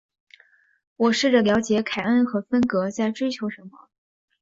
我试着了解凯恩和芬格在追求什么。